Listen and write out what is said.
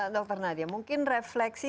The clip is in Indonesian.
dr nadia mungkin refleksi